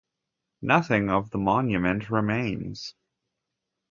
Nothing of the monument remains.